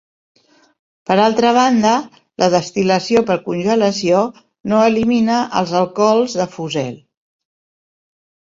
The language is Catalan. Per altra banda, la destil·lació per congelació no elimina els alcohols de fusel.